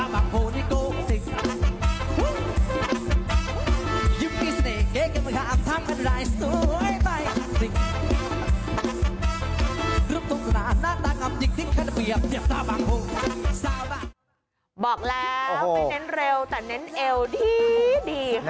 บอกแล้วไม่เน้นเร็วแต่เน้นเอวดีค่ะ